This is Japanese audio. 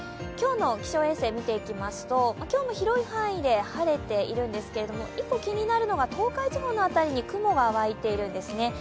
今日の気象衛星見ていきますと、今日も広い範囲で晴れているんですが、１個気になるのは東海地方の辺りで雲が湧いているんですね。